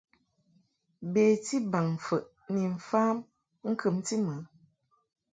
Beti baŋmfəʼ ni mfam ŋkɨmti mɨ.